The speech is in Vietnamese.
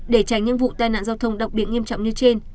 để tránh những vụ tai nạn giao thông độc biện nghiêm trọng như trên